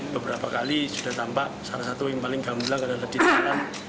beberapa kali sudah tampak salah satu yang paling gamblang adalah di dalam